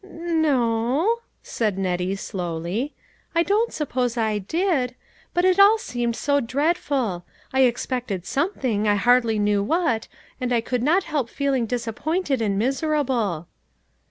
" N no," said Nettie slowly, " I don't suppose I did ; but it all seemed so dreadful ! I ex pected something, I hardly know what, and I could not help feeling disappointed and miser able."